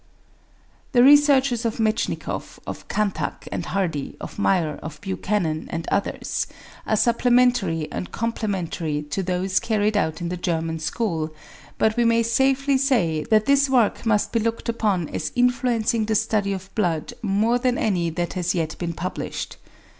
The researches of Metschnikoff, of Kanthack and Hardy, of Muir, of Buchanan, and others, are supplementary and complementary to those carried on in the German School, but we may safely say that this work must be looked upon as influencing the study of blood more than any that has yet been published.